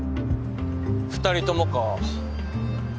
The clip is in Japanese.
２人ともか。